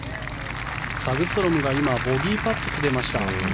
サグストロムが今、ボギーパットを決めました。